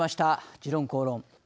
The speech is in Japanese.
「時論公論」。